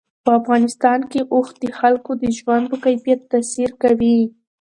په افغانستان کې اوښ د خلکو د ژوند په کیفیت تاثیر کوي.